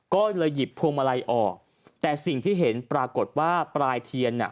ก็เลยหยิบพวงมาลัยออกแต่สิ่งที่เห็นปรากฏว่าปลายเทียนอ่ะ